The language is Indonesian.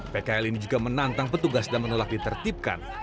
pkl ini juga menantang petugas dan menolak ditertibkan